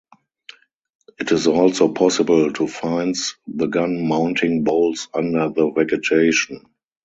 It is also possible to finds the gun mounting bolts under the vegetation.